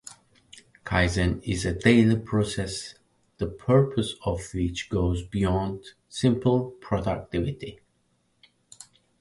Kaizen is a daily process, the purpose of which goes beyond simple productivity improvement.